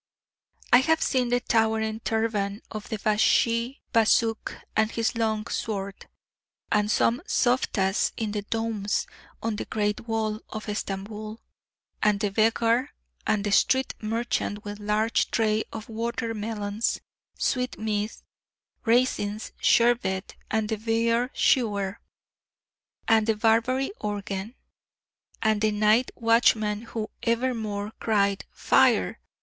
I have seen the towering turban of the Bashi bazouk, and his long sword, and some softas in the domes on the great wall of Stamboul, and the beggar, and the street merchant with large tray of water melons, sweetmeats, raisins, sherbet, and the bear shewer, and the Barbary organ, and the night watchman who evermore cried 'Fire!'